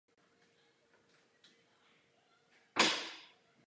Jedná se navíc o říši čarodějnic a démonů.